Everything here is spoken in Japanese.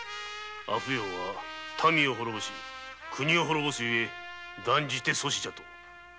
阿芙蓉は民を滅ぼし国を滅ぼす故断じて阻止じゃと？